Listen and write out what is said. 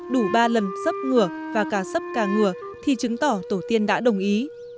đủ ba lần sấp ngửa và cà sấp cà ngửa thì chứng tỏ tổ tiên đã đồng ý